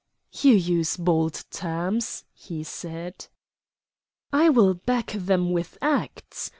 "You use bold terms," he said. "I will back them with acts.